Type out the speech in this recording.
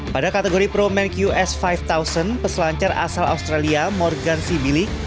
pada kategori pro men qs lima ribu peselancar asal australia morgan sibilik